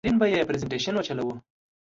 په یو لوی سکرین به یې پرزینټېشن وچلوو.